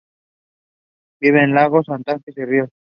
Vive en lagos, estanques y ríos.